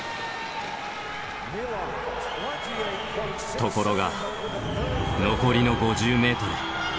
ところが残りの５０ｍ。